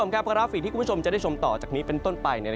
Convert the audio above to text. กราฟิกที่คุณผู้ชมจะได้ชมต่อจากนี้เป็นต้นไป